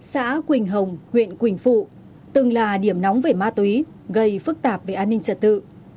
xã quỳnh hồng huyện quỳnh phụ từng là điểm nóng về ma túy gây phức tạp về an ninh trật tự